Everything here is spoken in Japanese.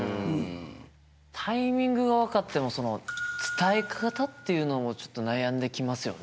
タイミングが分かっても伝え方っていうのもちょっと悩んできますよね。